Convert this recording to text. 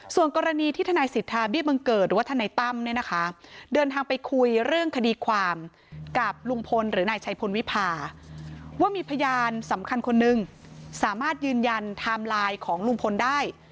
ส่วนกรณีที่ทนายสิทธาเบี้ยบังเกิดหรือว่าทนายตั้มเนี่ยนะคะเดินทางไปคุยเรื่องคดีความกับลุงพลหรือนายชัยพลวิพาว่ามีพยานสำคัญคนนึงสามารถยืนยันไทม์ไลน์ของลุงพลได้